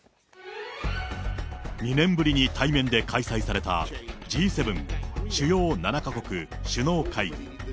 ２年ぶりに対面で開催されたＧ７・主要７か国首脳会議。